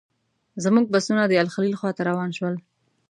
زموږ بسونه د الخلیل خواته روان شول.